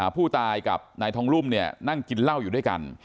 ผู้ตายกับนายทองรุ่มเนี่ยนั่งกินเหล้าอยู่ด้วยกัน